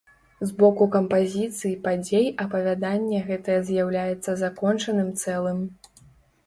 З боку кампазіцыі падзей апавяданне гэтае з'яўляецца закончаным цэлым.